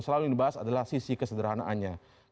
selalu dibahas adalah sisi kesederhanaannya